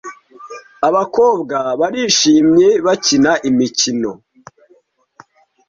Abakobwa barishimye bakina imikino.